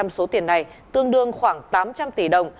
hai mươi hai mươi năm số tiền này tương đương khoảng tám trăm linh tỷ đồng